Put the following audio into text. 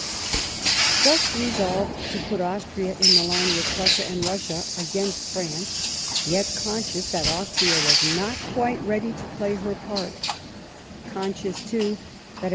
Thus resolved to put Au.<tria in the line with Prussia and Russia ao ainst Prance, yet conscious that Austria was not quite ready to play her part: — conscious, too, that it TEE ABMISTICE OF PLEISWITZ.